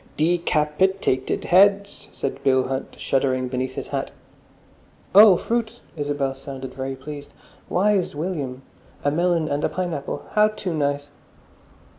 "De cap it ated heads!" said Bill Hunt, shuddering beneath his hat. "Oh, fruit!" Isabel sounded very pleased. "Wise William! A melon and a pineapple. How too nice!"